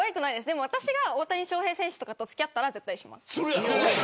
でも、私が大谷翔平選手とかと付き合ったら絶対します。